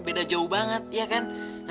beda jauh banget ya kan